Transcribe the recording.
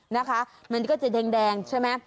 นะคะมันก็จะแดงใช่ไหม